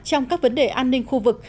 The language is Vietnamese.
trong các vấn đề an ninh khu vực